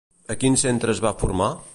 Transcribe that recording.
A quin centre es va formar?